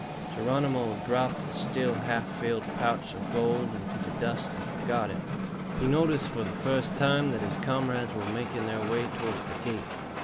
Geronimo dropped the still half filled pouch of gold into the dust and forgot it. He noticed for the first time that his comrades were making their way toward the gate.